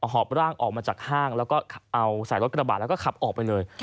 หอบร่างออกมาจากห้างแล้วก็เอาใส่รถกระบาดแล้วก็ขับออกไปเลย